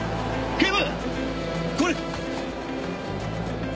警部。